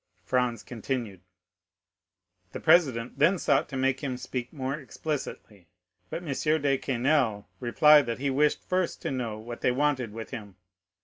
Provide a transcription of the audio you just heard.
Franz continued: "'The president then sought to make him speak more explicitly, but M. de Quesnel replied that he wished first to know what they wanted with him.